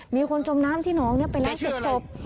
มีคนจมน้ำที่น้องนี่ไปแล้วเจ็บสบ